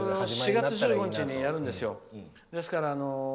それを４月１５日にやるんですよ。